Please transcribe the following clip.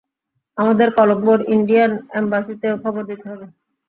আমাদের কলোম্বোর ইন্ডিয়ান এম্বাসিতেও খবর দিতে হবে।